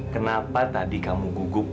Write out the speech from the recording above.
kenapa tadi kamu gugup